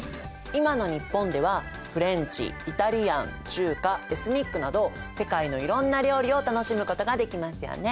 今の日本ではフレンチイタリアン中華エスニックなど世界のいろんな料理を楽しむことができますよね。